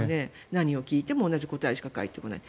何を聞いても同じ答えしか返ってこない。